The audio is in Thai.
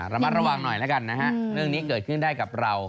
ระมัดระวังหน่อยแล้วกันนะฮะเรื่องนี้เกิดขึ้นได้กับเรา